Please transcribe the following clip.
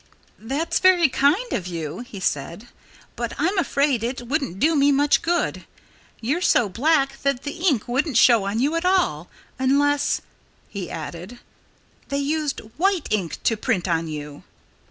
"That's very kind of you," he said. "But I'm afraid it wouldn't do me much good. You're so black that the ink wouldn't show on you at all unless," he added, "they use white ink to print on you."